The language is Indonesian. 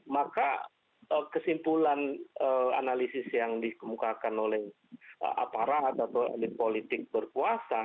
maka kesimpulan analisis yang dikemukakan oleh aparat atau elit politik berkuasa